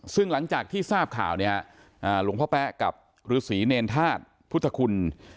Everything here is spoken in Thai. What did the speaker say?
ซึ่งหลังจากที่ทราบข่าวเนี่ยฮะหลวงพ่อแป๊ะกับฤษีเนรธาตุพุทธคุณ